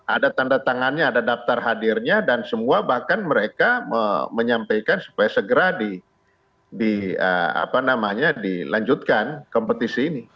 ada tanda tangannya ada daftar hadirnya dan semua bahkan mereka menyampaikan supaya segera dilanjutkan kompetisi ini